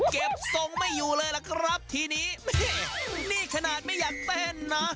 ทรงไม่อยู่เลยล่ะครับทีนี้แม่นี่ขนาดไม่อยากเต้นนะ